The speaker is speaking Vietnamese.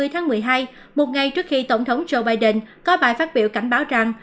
hai mươi tháng một mươi hai một ngày trước khi tổng thống joe biden có bài phát biểu cảnh báo rằng